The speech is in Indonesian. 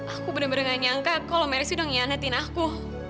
aku bener bener gak nyangka kalau maris udah ngianetin aku